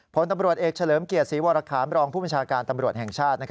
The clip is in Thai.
ผลตำรวจเอกเฉลิมเกียรติศรีวรคามรองผู้บัญชาการตำรวจแห่งชาติ